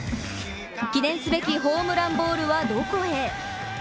記念すべきホームランボールはどこへ。